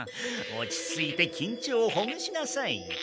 落ち着いてきんちょうをほぐしなさい。ははい。